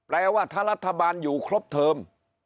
แปลว่าถ้ารัฐบาลอยู่ครบเทิม